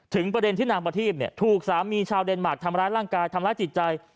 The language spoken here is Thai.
ประเด็นที่นางประทีพถูกสามีชาวเดนมาร์คทำร้ายร่างกายทำร้ายจิตใจ